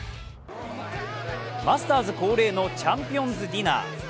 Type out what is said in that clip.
マスターズ恒例のチャンピオンズディナー。